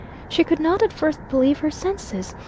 She could not at first believe her senses.